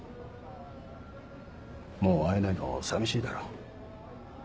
もう会えないの寂しいだろ？